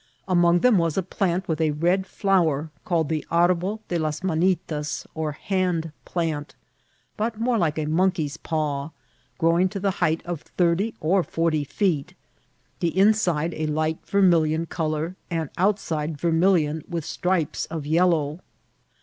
Among them was a plant with a red flower, called the arbol de las manitas, or hand plant, but more like a monkey's paw, growing to the height of thirty or forty feet, the inside a light vermilion col our, and outside vermilion with stripes of yellow.